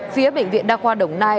phía bệnh viện đa khoa đồng nai